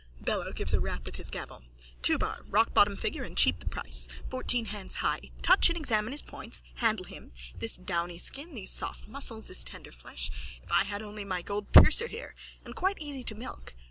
BELLO: (Gives a rap with his gavel.) Two bar. Rockbottom figure and cheap at the price. Fourteen hands high. Touch and examine shis points. Handle hrim. This downy skin, these soft muscles, this tender flesh. If I had only my gold piercer here! And quite easy to milk.